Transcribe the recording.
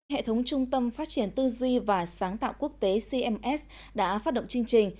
hệ thống trung tâm phát triển tư duy và sáng tạo quốc tế cms đã phát động chương trình